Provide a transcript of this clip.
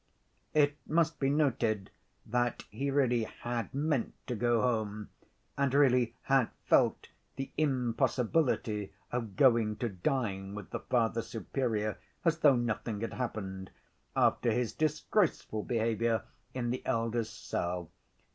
It must be noted that he really had meant to go home, and really had felt the impossibility of going to dine with the Father Superior as though nothing had happened, after his disgraceful behavior in the elder's cell.